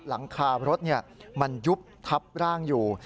หลังคารถมันยุบทับร่างอยู่